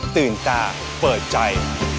ตื่นตาเปิดใจ